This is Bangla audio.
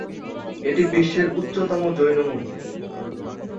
এটি বিশ্বের উচ্চতম জৈন মূর্তি।